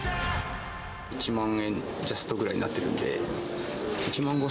１万円ジャストぐらいになっ